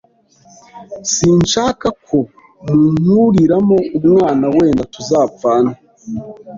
sinshaka ko munkuriramo umwana wenda tuzapfane